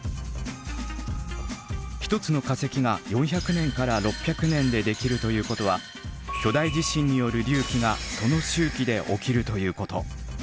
一つの化石が４００年から６００年でできるということは巨大地震による隆起がその周期で起きるということ。